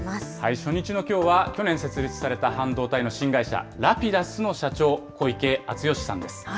初日のきょうは、去年設立された半導体の新会社、Ｒａｐｉｄｕｓの社長、小池淳義さんです。